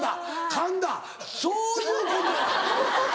神田そういうこと！